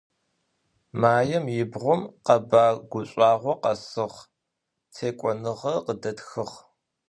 Maim yibğum khebar guş'uağo khesığ, têk'onığer khıdetxığ.